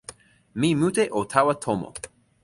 mi mute o tawa tomo.